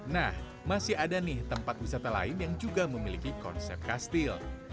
nah masih ada nih tempat wisata lain yang juga memiliki konsep kastil